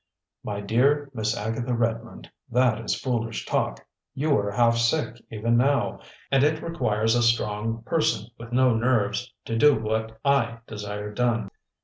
"My dear Miss Agatha Redmond, that is foolish talk. You are half sick, even now; and it requires a strong person, with no nerves, to do what I desire done.